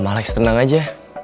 om alex tenang aja